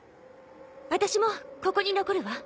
あたしもここに残るわ。